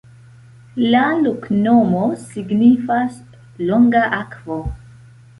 La loknomo signifas: longa-akvo.